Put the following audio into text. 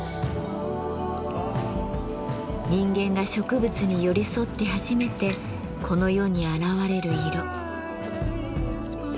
人間が植物に寄り添って初めてこの世に現れる色。